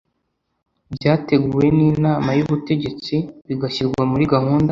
byateguwe n inama y ubutegetsi bigashyirwa muri gahunda